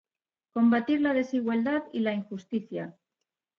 Combatir la desigualdad y la injusticia.